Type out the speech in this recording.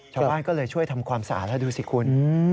ชาวบ้านก็เลยช่วยทำความสะอาดแล้วดูสิคุณ